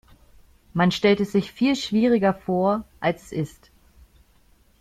Man stellt es sich viel schwieriger vor, als es ist.